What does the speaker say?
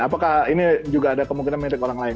apakah ini juga ada kemungkinan menarik orang lain